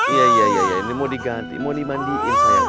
iya iya ini mau diganti mau dimandiin sayang